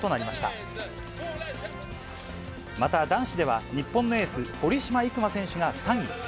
また、男子では日本のエース、堀島行真選手が３位。